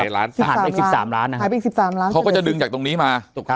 หายไปอีก๑๓ล้านเขาก็จะดึงจากตรงนี้มา